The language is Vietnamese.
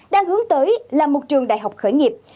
đang hướng tới là một trường đại học khởi nghiệp